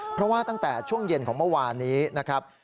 เพราะว่าตั้งแต่ช่วงเย็นของเมื่อวานนี้นะครับ